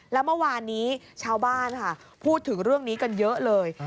แล้วเมื่อวานนี้ชาวบ้านค่ะพูดถึงเรื่องนี้กันเยอะเลย